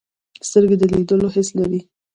سترګې د لیدلو حس لري